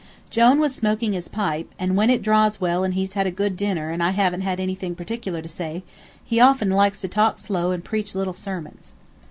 Jone was smoking his pipe, and when it draws well and he's had a good dinner and I haven't anything particular to say, he often likes to talk slow and preach little sermons.